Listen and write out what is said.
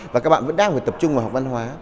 và các bạn vẫn đang phải tập trung vào học văn hóa